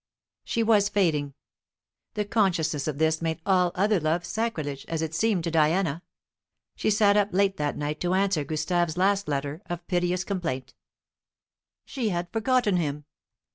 She was fading. The consciousness of this made all other love sacrilege, as it seemed to Diana. She sat up late that night to answer Gustave's last letter of piteous complaint. "She had forgotten him.